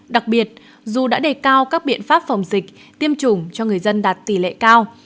đặc biệt dù đã đề cao các biện pháp phòng dịch tiêm chủng cho người dân đạt tỷ lệ cao